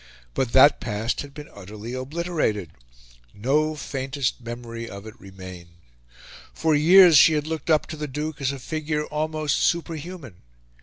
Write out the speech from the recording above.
But that past had been utterly obliterated no faintest memory of it remained. For years she had looked up to the Duke as a figure almost superhuman.